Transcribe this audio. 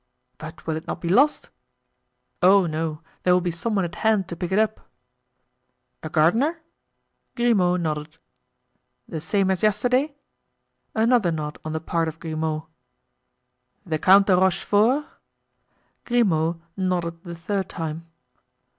"But will it not be lost?" "Oh no; there will be some one at hand to pick it up." "A gardener?" Grimaud nodded. "The same as yesterday?" Another nod on the part of Grimaud. "The Count de Rochefort?" Grimaud nodded the third time.